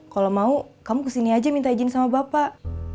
kalau mau kamu kesini aja minta izin sama bapak